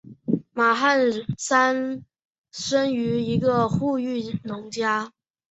马汉三生于一个富裕农家。